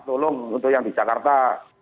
tolong untuk yang di jakarta